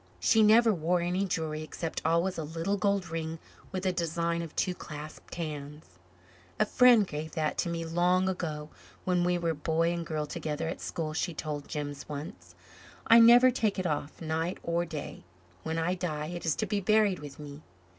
She never wore any jewelry except, always, a little gold ring with a design of two clasped hands. "A friend gave that to me long ago when we were boy and girl together at school," she told Jims once. "I never take it off, night or day. When I die it is to be buried with me."